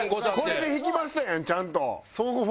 これで引きましたやんちゃんと。